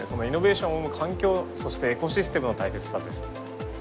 イノベーションを生む環境そしてエコシステムの大切さです。